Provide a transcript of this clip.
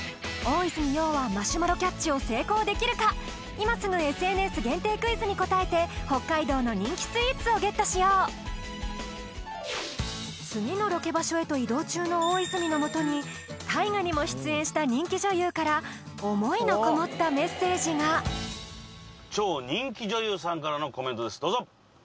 今すぐＳＮＳ限定クイズに答えて北海道の人気スイーツをゲットしよう次のロケ場所へと移動中の大泉のもとに大河にも出演した人気女優から思いのこもったメッセージがです